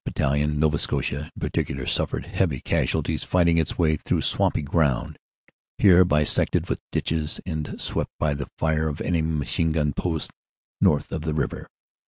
Battalion, Nova Scotia, in particular suffered heavy casualties fighting its way through swampy ground, here bisected with ditches and swept by the fire of enemy machine gun posts north of the river.